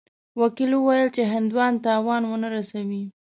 وکیل وویل چې هندوان تاوان ونه رسوي.